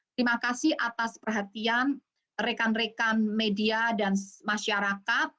terima kasih atas perhatian rekan rekan media dan masyarakat